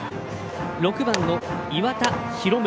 ６番の岩田宏夢